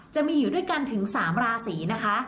จะมีอยู่ด้วยกันถึง๓ราศีนะคะ